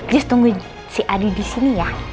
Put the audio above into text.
jess tunggu si adi disini ya